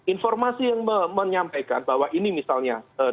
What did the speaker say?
informasi yang menyampaikan bahwa ini misalnya